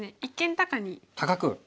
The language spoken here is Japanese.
高く。